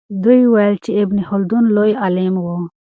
دوی وویل چې ابن خلدون لوی عالم و.